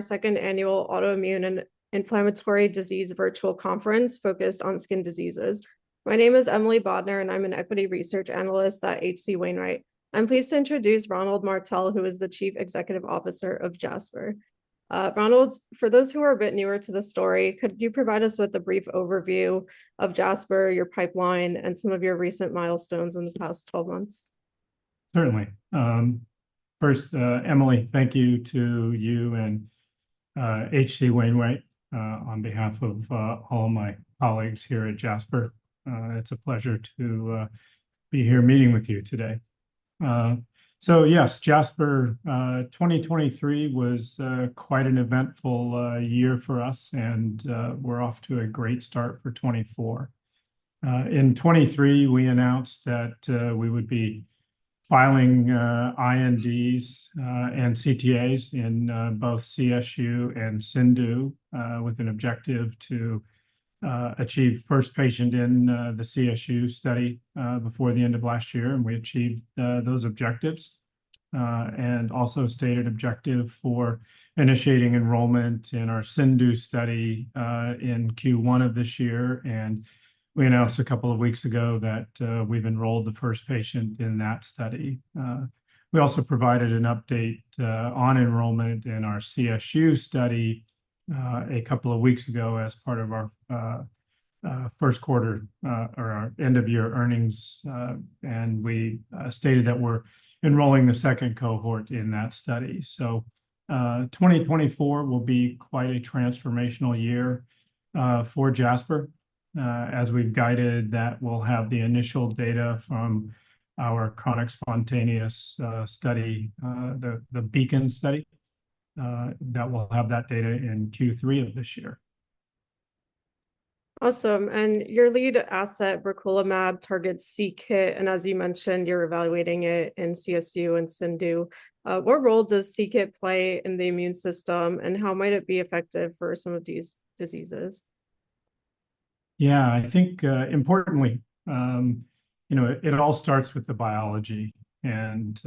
Second annual Autoimmune and Inflammatory Disease Virtual Conference focused on skin diseases. My name is Emily Bodnar, and I'm an Equity research Analyst at H.C. Wainwright. I'm pleased to introduce Ronald Martell, who is the Chief Executive Officer of Jasper. Ronald, for those who are a bit newer to the story, could you provide us with a brief overview of Jasper, your pipeline, and some of your recent milestones in the past 12 months? Certainly. First, Emily, thank you to you and H.C. Wainwright on behalf of all my colleagues here at Jasper. It's a pleasure to be here meeting with you today. So yes, Jasper, 2023 was quite an eventful year for us, and we're off to a great start for 2024. In 2023, we announced that we would be filing INDs and CTAs in both CSU and CIndU with an objective to achieve first patient in the CSU study before the end of last year, and we achieved those objectives. And also stated objective for initiating enrollment in our CIndU study in Q1 of this year, and we announced a couple of weeks ago that we've enrolled the first patient in that study. We also provided an update on enrollment in our CSU study a couple of weeks ago as part of our first quarter or our end-of-year earnings. We stated that we're enrolling the second cohort in that study. So, 2024 will be quite a transformational year for Jasper. As we've guided, that we'll have the initial data from our chronic spontaneous study, the BEACON study, that we'll have that data in Q3 of this year. Awesome. Your lead asset briquilimab targets c-Kit, and as you mentioned, you're evaluating it in CSU and CIndU. What role does c-Kit play in the immune system, and how might it be effective for some of these diseases? Yeah, I think, importantly, you know, it all starts with the biology, and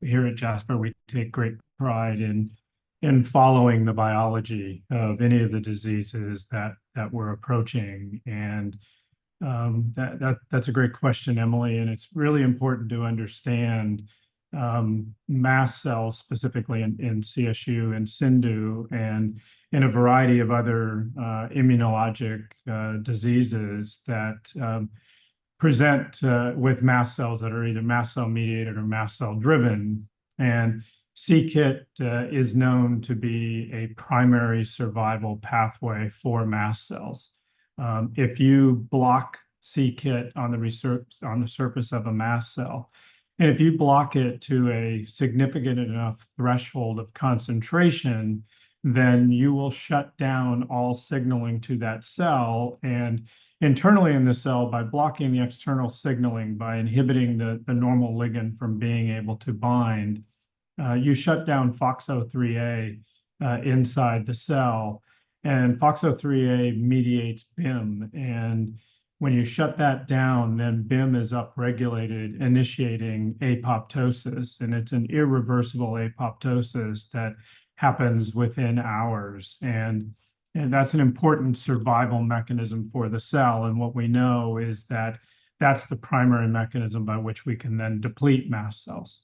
here at Jasper, we take great pride in following the biology of any of the diseases that we're approaching. And that's a great question, Emily, and it's really important to understand mast cells, specifically in CSU and CIndU, and in a variety of other immunologic diseases that present with mast cells that are either mast cell-mediated or mast cell-driven. And c-Kit is known to be a primary survival pathway for mast cells. If you block c-Kit on the surface of a mast cell, and if you block it to a significant enough threshold of concentration, then you will shut down all signaling to that cell. And internally in the cell, by blocking the external signaling, by inhibiting the normal ligand from being able to bind, you shut down FOXO3a inside the cell, and FOXO3a mediates Bim. And when you shut that down, then Bim is upregulated, initiating apoptosis, and it's an irreversible apoptosis that happens within hours, and that's an important survival mechanism for the cell. And what we know is that that's the primary mechanism by which we can then deplete mast cells.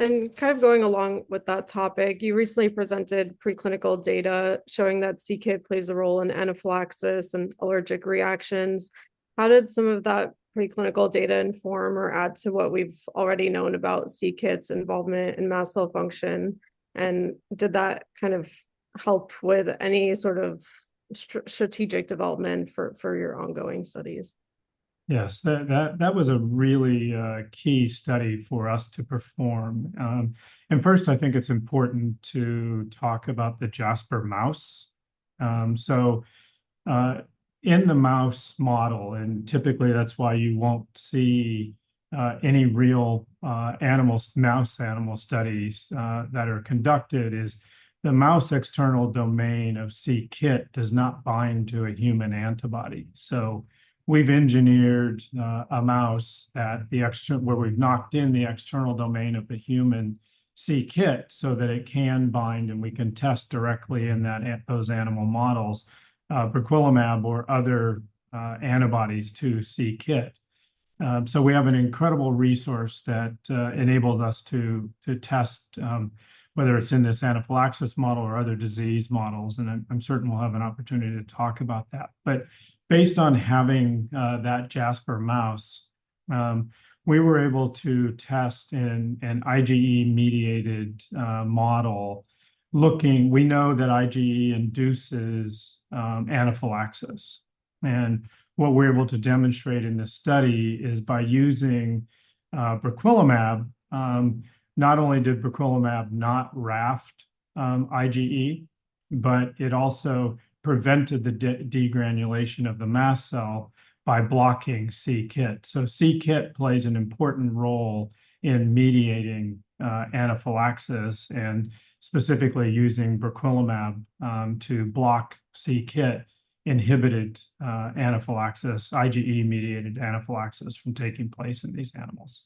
Kind of going along with that topic, you recently presented preclinical data showing that c-Kit plays a role in anaphylaxis and allergic reactions. How did some of that preclinical data inform or add to what we've already known about c-Kit's involvement in mast cell function? And did that kind of help with any sort of strategic development for your ongoing studies? Yes. That was a really key study for us to perform. And first, I think it's important to talk about the Jasper Mouse. So, in the mouse model, and typically, that's why you won't see any real animal studies that are conducted, is the mouse external domain of c-Kit does not bind to a human antibody. So we've engineered a mouse where we've knocked in the external domain of the human c-Kit, so that it can bind, and we can test directly in those animal models, briquilimab or other antibodies to c-Kit. So we have an incredible resource that enabled us to test whether it's in this anaphylaxis model or other disease models, and I'm certain we'll have an opportunity to talk about that. But based on having that Jasper Mouse, we were able to test in an IgE-mediated model. We know that IgE induces anaphylaxis, and what we're able to demonstrate in this study is by using briquilimab, not only did briquilimab not raft IgE, but it also prevented the degranulation of the mast cell by blocking c-Kit. So c-Kit plays an important role in mediating anaphylaxis, and specifically using briquilimab to block c-Kit inhibited anaphylaxis, IgE-mediated anaphylaxis from taking place in these animals....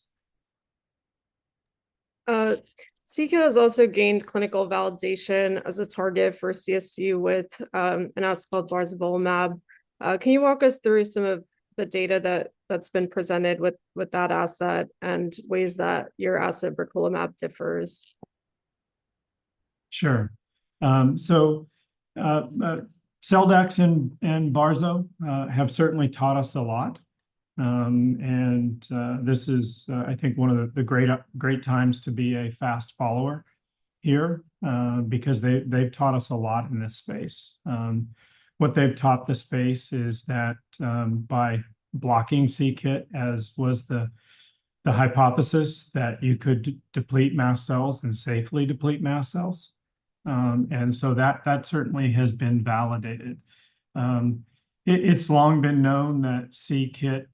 c-Kit has also gained clinical validation as a target for CSU with an asset called barzolvolimab. Can you walk us through some of the data that's been presented with that asset, and ways that your asset briquilimab differs? Sure. So, Celldex and barzolvolimab have certainly taught us a lot. This is, I think, one of the great times to be a fast follower here, because they've taught us a lot in this space. What they've taught the space is that, by blocking c-Kit, as was the hypothesis, that you could deplete mast cells and safely deplete mast cells. So that certainly has been validated. It's long been known that c-Kit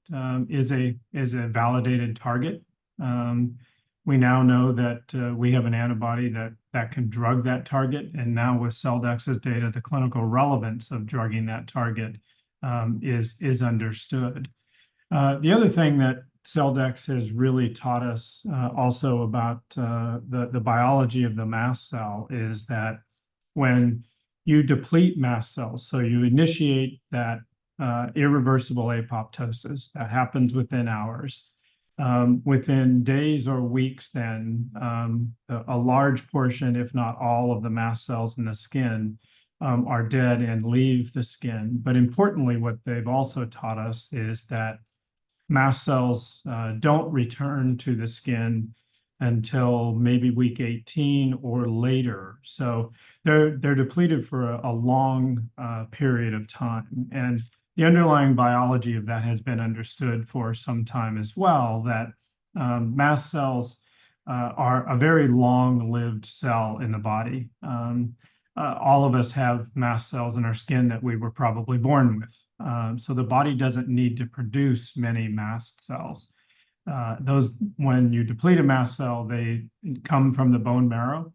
is a validated target. We now know that we have an antibody that can drug that target, and now with Celldex's data, the clinical relevance of drugging that target is understood. The other thing that Celldex has really taught us, also about the biology of the mast cell, is that when you deplete mast cells, so you initiate that irreversible apoptosis, that happens within hours. Within days or weeks then, a large portion, if not all of the mast cells in the skin, are dead and leave the skin. But importantly, what they've also taught us is that mast cells don't return to the skin until maybe week 18 or later. So they're depleted for a long period of time, and the underlying biology of that has been understood for some time as well, that mast cells are a very long-lived cell in the body. All of us have mast cells in our skin that we were probably born with. So the body doesn't need to produce many mast cells. When you deplete a mast cell, they come from the bone marrow.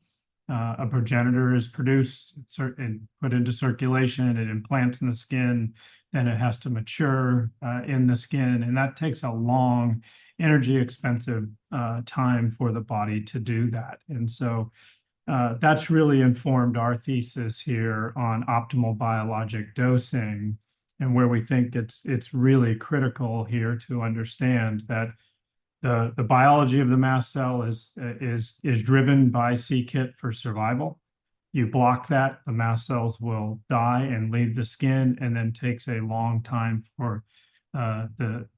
A progenitor is produced and put into circulation, it implants in the skin, then it has to mature in the skin, and that takes a long, energy-expensive time for the body to do that. And so, that's really informed our thesis here on optimal biologic dosing, and where we think it's, it's really critical here to understand that the, the biology of the mast cell is, is driven by c-Kit for survival. You block that, the mast cells will die and leave the skin, and then takes a long time for the,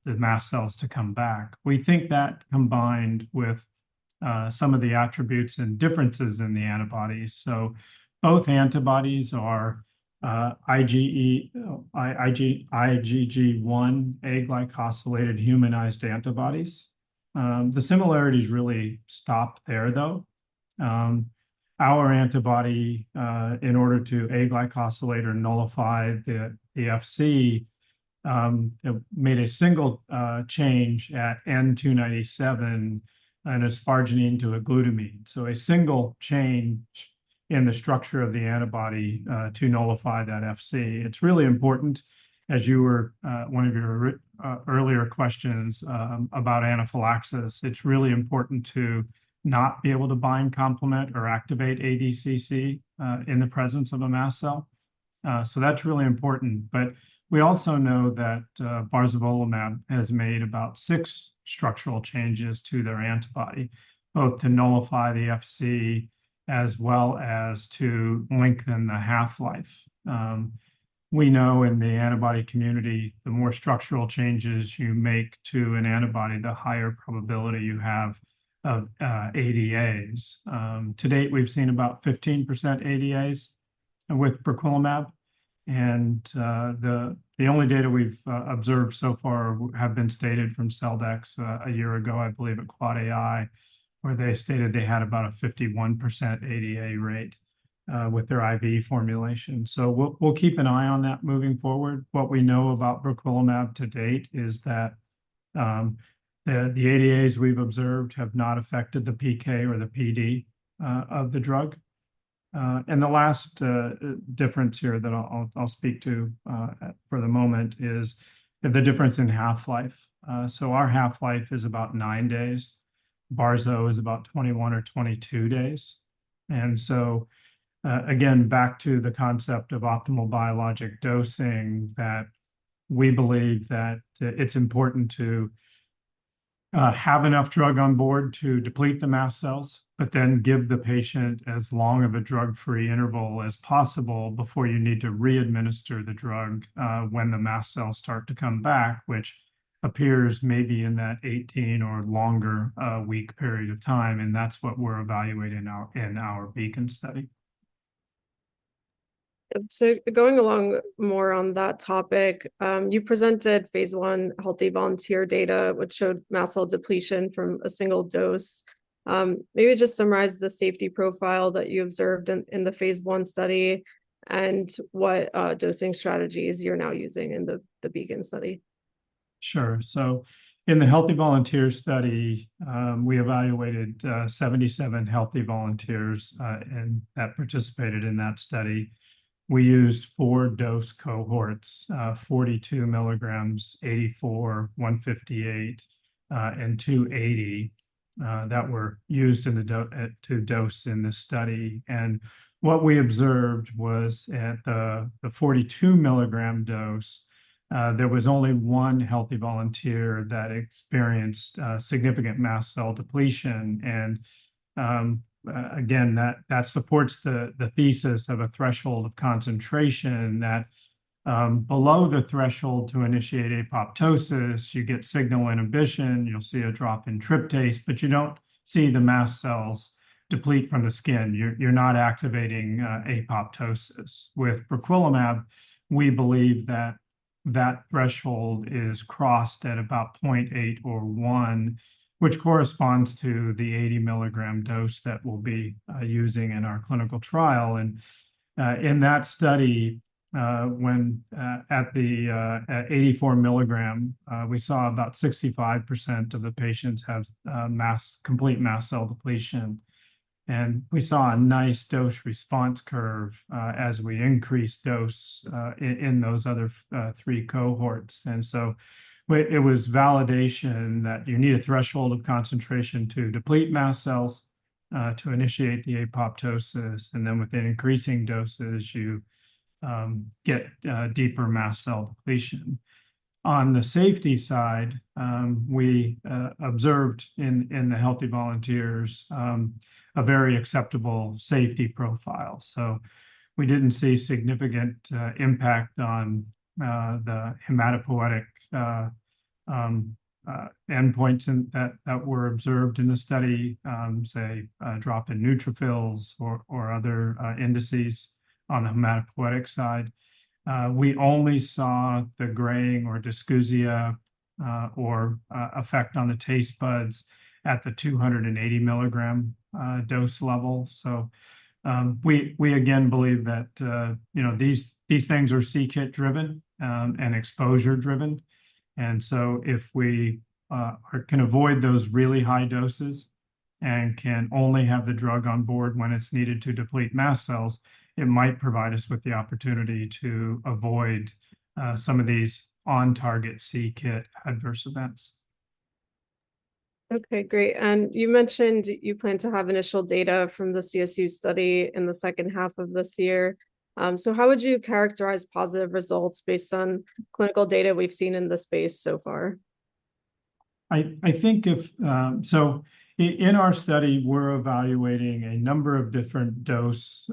the mast cells to come back. We think that combined with some of the attributes and differences in the antibodies, so both antibodies are IgG1 aglycosylated humanized antibodies. The similarities really stop there, though. Our antibody, in order to aglycosylate or nullify the Fc, it made a single change at N297, and it's arginine to a glutamine. So a single change in the structure of the antibody to nullify that Fc. It's really important, as you were one of your earlier questions about anaphylaxis, it's really important to not be able to bind complement or activate ADCC in the presence of a mast cell. So that's really important. But we also know that barzolvolimab has made about six structural changes to their antibody, both to nullify the Fc, as well as to lengthen the half-life. We know in the antibody community, the more structural changes you make to an antibody, the higher probability you have of ADAs. To date, we've seen about 15% ADAs with briquilimab, and the only data we've observed so far have been stated from Celldex a year ago, I believe, at AAAAI, where they stated they had about a 51% ADA rate with their IV formulation. So we'll keep an eye on that moving forward. What we know about briquilimab to date is that the ADAs we've observed have not affected the PK or the PD of the drug. And the last difference here that I'll speak to for the moment is the difference in half-life. So our half-life is about nine days. barzolvolimab is about 21 or 22 days. And so, again, back to the concept of optimal biologic dosing, that we believe that, it's important to, have enough drug on board to deplete the mast cells, but then give the patient as long of a drug-free interval as possible before you need to re-administer the drug, when the mast cells start to come back, which appears maybe in that 18 or longer week period of time, and that's what we're evaluating in our BEACON study. Going along more on that topic, you presented phase I healthy volunteer data, which showed mast cell depletion from a single dose. Maybe just summarize the safety profile that you observed in the phase I study, and what dosing strategies you're now using in the BEACON study? Sure. So in the healthy volunteer study, we evaluated 77 healthy volunteers that participated in that study. We used four dose cohorts, 42 mg, 84 mg, 158 mg, and 280 mg that were used to dose in this study. And what we observed was at the 42 mg dose, there was only one healthy volunteer that experienced significant mast cell depletion. And again, that supports the thesis of a threshold of concentration, that below the threshold to initiate apoptosis, you get signal inhibition, you'll see a drop in tryptase, but you don't see the mast cells deplete from the skin. You're not activating apoptosis. With briquilimab, we believe that that threshold is crossed at about 0.8 or 1, which corresponds to the 80 milligram dose that we'll be using in our clinical trial. In that study, when at the 84 milligram, we saw about 65% of the patients have complete mast cell depletion. And we saw a nice dose response curve as we increased dose in those other three cohorts. And so it was validation that you need a threshold of concentration to deplete mast cells to initiate the apoptosis, and then with increasing doses, you get deeper mast cell depletion. On the safety side, we observed in the healthy volunteers a very acceptable safety profile. So we didn't see significant impact on the hematopoietic endpoints that were observed in the study, say a drop in neutrophils or other indices on the hematopoietic side. We only saw the graying or dysgeusia or effect on the taste buds at the 280 mg dose level. So we again believe that you know these things are c-Kit driven and exposure driven. And so if we can avoid those really high doses and can only have the drug on board when it's needed to deplete mast cells, it might provide us with the opportunity to avoid some of these on-target c-Kit adverse events. Okay, great. And you mentioned you plan to have initial data from the CSU study in the second half of this year. So how would you characterize positive results based on clinical data we've seen in this space so far? So in our study, we're evaluating a number of different dose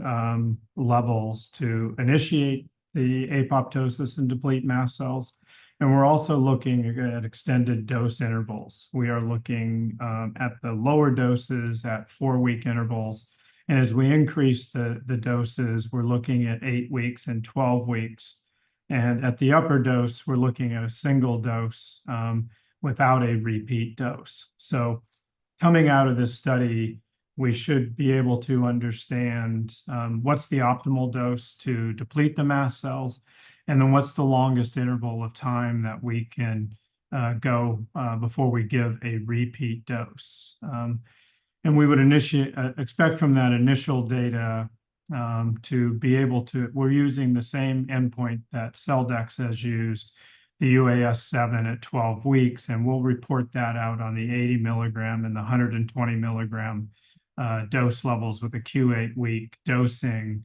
levels to initiate the apoptosis and deplete mast cells, and we're also looking at extended dose intervals. We are looking at the lower doses at four-week intervals, and as we increase the doses, we're looking at eight weeks and 12 weeks. And at the upper dose, we're looking at a single dose without a repeat dose. So coming out of this study, we should be able to understand what's the optimal dose to deplete the mast cells, and then what's the longest interval of time that we can go before we give a repeat dose. And we would expect from that initial data to be able to... We're using the same endpoint that Celldex has used, the UAS7 at 12 weeks, and we'll report that out on the 80 milligram and the 120 milligram dose levels with a Q8-week dosing.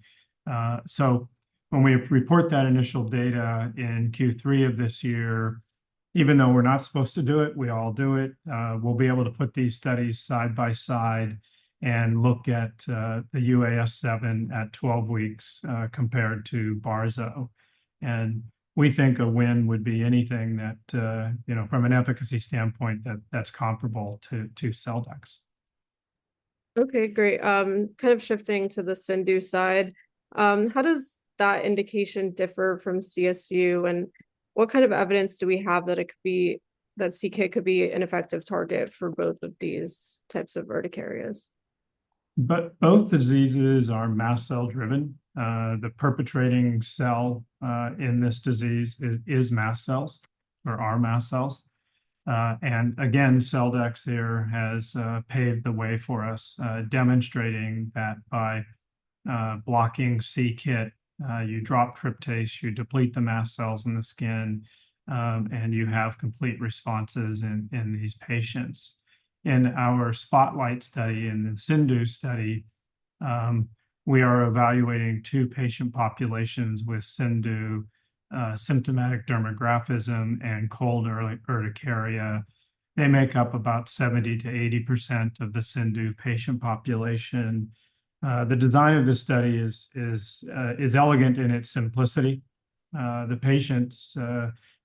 So when we report that initial data in Q3 of this year, even though we're not supposed to do it, we all do it, we'll be able to put these studies side by side and look at the UAS7 at 12 weeks compared to barzolvolimab. And we think a win would be anything that, you know, from an efficacy standpoint, that's comparable to Celldex. Okay, great. Kind of shifting to the CIndU side, how does that indication differ from CSU, and what kind of evidence do we have that it could be- that c-Kit could be an effective target for both of these types of urticarias? But both diseases are mast cell driven. The perpetrating cell in this disease is mast cells, or are mast cells. And again, Celldex here has paved the way for us, demonstrating that by blocking c-Kit, you drop tryptase, you deplete the mast cells in the skin, and you have complete responses in these patients. In our SPOTLIGHT study, in the CIndU study, we are evaluating two patient populations with CIndU, symptomatic dermographism and cold urticaria. They make up about 70%-80% of the CIndU patient population. The design of this study is elegant in its simplicity. The patients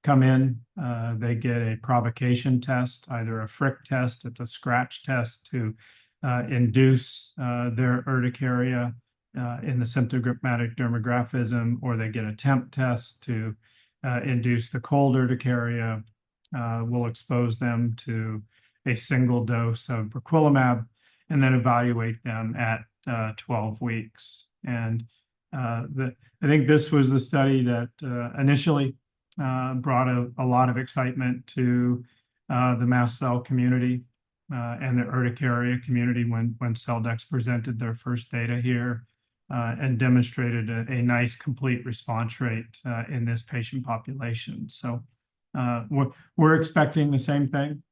come in. They get a provocation test, either a FricTest—it's a scratch test to induce their urticaria in symptomatic dermographism—or they get a temp test to induce the cold urticaria. We'll expose them to a single dose of briquilimab, and then evaluate them at 12 weeks. I think this was the study that initially brought a lot of excitement to the mast cell community and the urticaria community when Celldex presented their first data here... and demonstrated a nice complete response rate in this patient population. So, we're expecting the same thing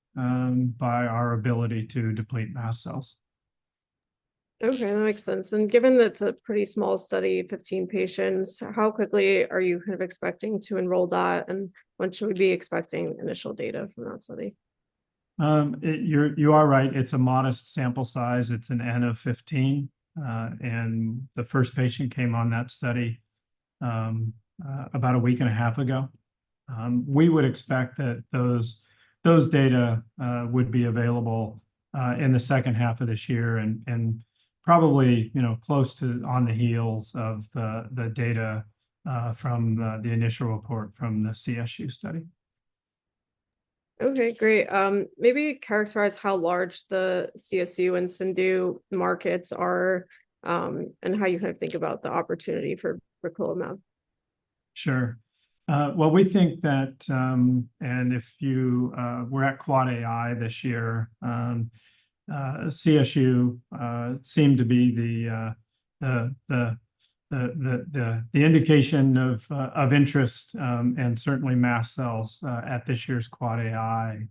by our ability to deplete mast cells. Okay, that makes sense. Given that it's a pretty small study, 15 patients, how quickly are you kind of expecting to enroll that, and when should we be expecting initial data from that study? You're right, it's a modest sample size. It's an N of 15. The first patient came on that study about a week and a half ago. We would expect that those data would be available in the second half of this year, and probably, you know, close to on the heels of the data from the initial report from the CSU study. Okay, great. Maybe characterize how large the CSU and CIndU markets are, and how you kind of think about the opportunity for briquilimab? Sure. Well, we think that... and if you were at Quad AI this year, CSU seemed to be the indication of interest, and certainly mast cells at this year's quad AI.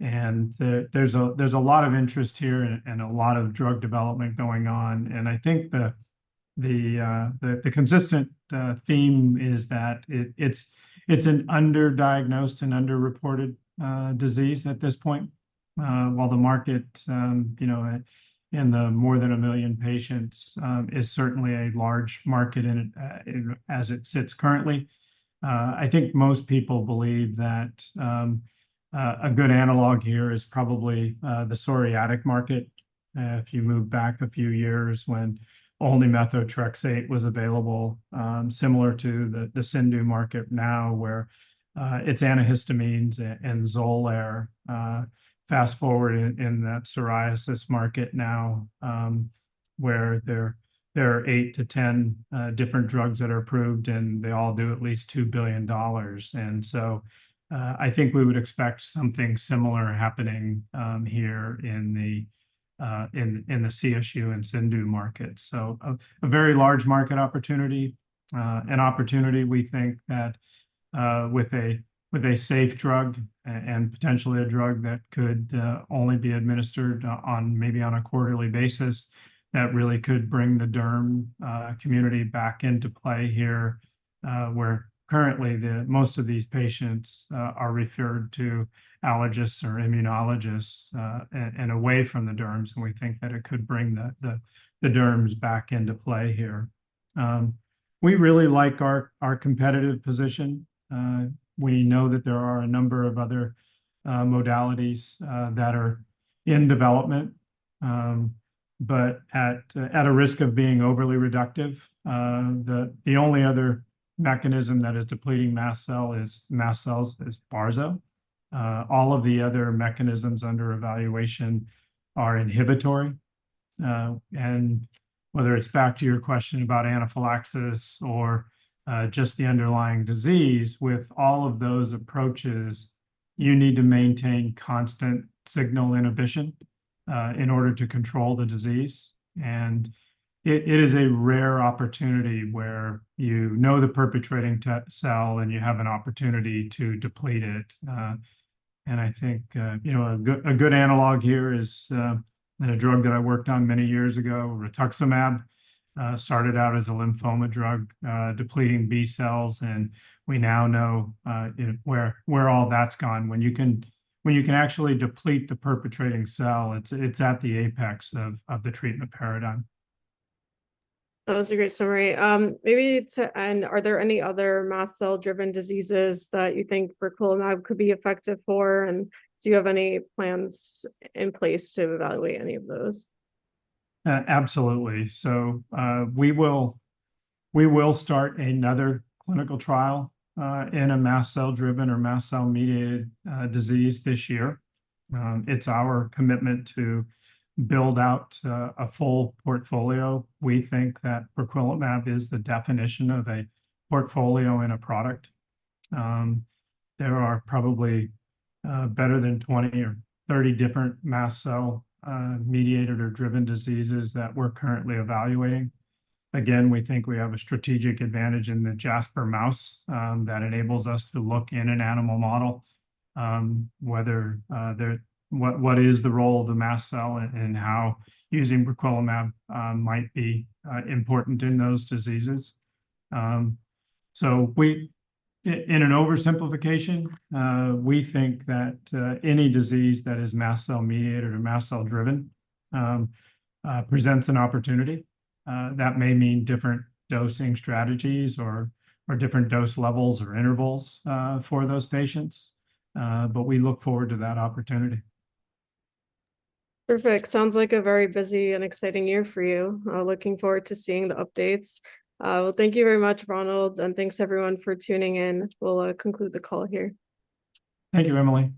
And there's a lot of interest here and a lot of drug development going on, and I think the consistent theme is that it's an under-diagnosed and under-reported disease at this point. While the market, you know, in the more than a million patients, is certainly a large market, and as it sits currently, I think most people believe that a good analog here is probably the psoriatic market, if you move back a few years when only methotrexate was available, similar to the CIndU market now, where it's antihistamines and Xolair. Fast-forward in that psoriasis market now, where there are eight-10 different drugs that are approved, and they all do at least $2 billion. And so, I think we would expect something similar happening here in the CSU and CIndU market. So, a very large market opportunity, an opportunity we think that with a safe drug and potentially a drug that could only be administered on, maybe on a quarterly basis, that really could bring the derm community back into play here, where currently most of these patients are referred to allergists or immunologists and away from the derms, and we think that it could bring the derms back into play here. We really like our competitive position. We know that there are a number of other modalities that are in development. But at a risk of being overly reductive, the only other mechanism that is depleting mast cells is barzolvolimab. All of the other mechanisms under evaluation are inhibitory. And whether it's back to your question about anaphylaxis or just the underlying disease, with all of those approaches, you need to maintain constant signal inhibition in order to control the disease. And it is a rare opportunity where you know the perpetrating T-cell, and you have an opportunity to deplete it. And I think you know a good analog here is a drug that I worked on many years ago, rituximab, started out as a lymphoma drug, depleting B cells, and we now know you know where all that's gone. When you can actually deplete the perpetrating cell, it's at the apex of the treatment paradigm. That was a great summary. Maybe... and are there any other mast cell-driven diseases that you think briquilimab could be effective for, and do you have any plans in place to evaluate any of those? Absolutely. So, we will start another clinical trial in a mast cell-driven or mast cell-mediated disease this year. It's our commitment to build out a full portfolio. We think that briquilimab is the definition of a portfolio in a product. There are probably better than 20 or 30 different mast cell mediated or driven diseases that we're currently evaluating. Again, we think we have a strategic advantage in the Jasper Mouse that enables us to look in an animal model whether what is the role of the mast cell and how using briquilimab might be important in those diseases. In an oversimplification, we think that any disease that is mast cell-mediated or mast cell-driven presents an opportunity. That may mean different dosing strategies or different dose levels or intervals for those patients, but we look forward to that opportunity. Perfect. Sounds like a very busy and exciting year for you. Looking forward to seeing the updates. Well, thank you very much, Ronald, and thanks everyone for tuning in. We'll conclude the call here. Thank you, Emily.